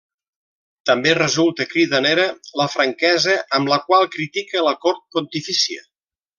També resulta cridanera la franquesa amb la qual critica a la cort pontifícia.